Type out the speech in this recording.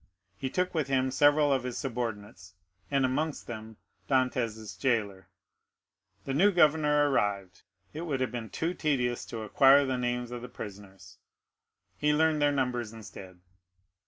He took with him several of his subordinates, and amongst them Dantès' jailer. A new governor arrived; it would have been too tedious to acquire the names of the prisoners; he learned their numbers instead.